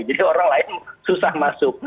jadi orang lain susah masuk